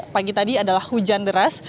pagi tadi adalah hujan deras